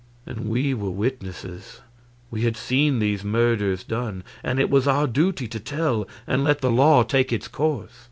And we were witnesses; we had seen these murders done and it was our duty to tell, and let the law take its course.